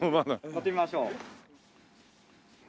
乗ってみましょう。